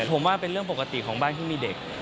ผมว่าเป็นเรื่องปกติของบ้านที่มีเด็ก